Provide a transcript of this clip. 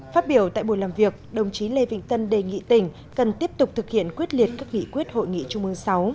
phát biểu tại buổi làm việc đồng chí lê vĩnh tân đề nghị tỉnh cần tiếp tục thực hiện quyết liệt các nghị quyết hội nghị trung ương sáu